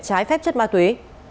trái phép chất ma túy